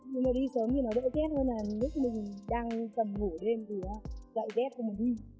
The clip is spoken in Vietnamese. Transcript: nhưng mà đi sớm thì nó đỡ chết hơn là lúc mình đang tầm ngủ đêm thì nó đợi rét cho mình đi